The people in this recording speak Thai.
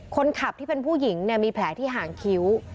คนขับที่เป็นผู้หญิงเนี่ยมีแผลที่ห่างคิ้ว